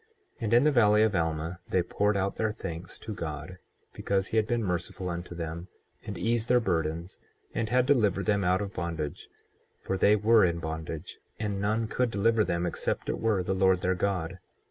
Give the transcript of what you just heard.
24:21 Yea, and in the valley of Alma they poured out their thanks to God because he had been merciful unto them, and eased their burdens, and had delivered them out of bondage; for they were in bondage, and none could deliver them except it were the Lord their God.